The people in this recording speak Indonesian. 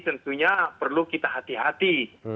tentunya perlu kita hati hati